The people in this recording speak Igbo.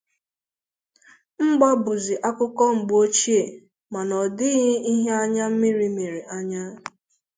mgba bụzị akụkọ mgbe ochie mana ọdịghị ihe anya mmiri mere anya